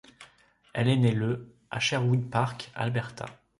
Elle est née le à Sherwood Park, Alberta.